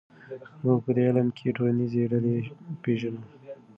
موږ په دې علم کې ټولنیزې ډلې پېژنو.